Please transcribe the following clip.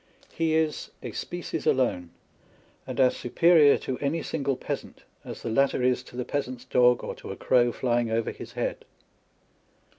He is " a species alone," and as superior to any single peasant as the latter is to the peasant's dog, or to a crow Hying over his head.